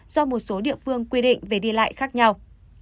do một số địa phương quy định về đi lại khác nhau